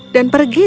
dan pergi dari sini